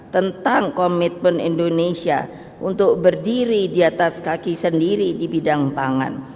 tentang komitmen indonesia untuk berdiri di atas kaki sendiri di bidang pangan